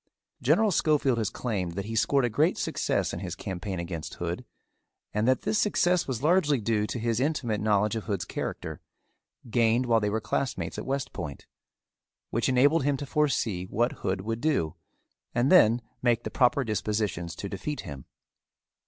General Schofield has claimed that he scored a great success in his campaign against Hood and that this success was largely due to his intimate knowledge of Hood's character, gained while they were classmates at West Point, which enabled him to foresee what Hood would do and then make the proper dispositions to defeat him.